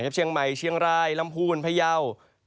เชียงใหม่เชียงรายลำพูนพยาว